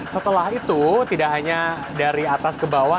setelah itu tidak hanya dari atas ke bawah